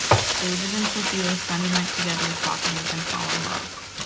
David and Sofia spend a night together talking and fall in love.